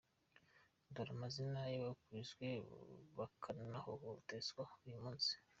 Dore amazina y’abakubiswe bakanakomeretswa uyu munsi: